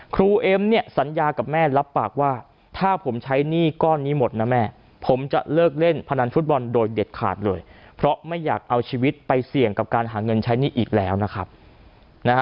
เอ็มเนี่ยสัญญากับแม่รับปากว่าถ้าผมใช้หนี้ก้อนนี้หมดนะแม่ผมจะเลิกเล่นพนันฟุตบอลโดยเด็ดขาดเลยเพราะไม่อยากเอาชีวิตไปเสี่ยงกับการหาเงินใช้หนี้อีกแล้วนะครับนะฮะ